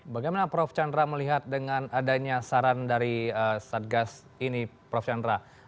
bagaimana prof chandra melihat dengan adanya saran dari satgas ini prof chandra